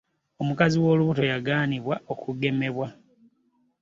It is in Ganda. omukazi w'olubuto yagaanibwa okugemebwa.